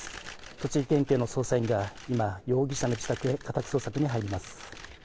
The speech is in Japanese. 栃木県警の捜査員が今、容疑者の自宅へ家宅捜索に入ります。